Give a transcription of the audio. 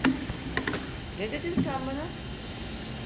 Ne dedin sen bana?